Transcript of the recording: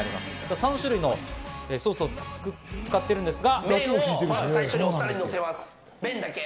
３種類のソースを使ってるんですが。